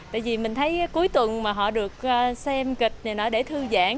tại vì mình thấy cuối tuần mà họ được xem kịch này để thư giãn